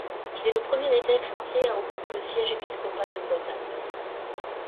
Il est le premier évêque français à occuper le siège épiscopal de Bretagne.